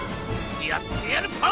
やってやるパオ！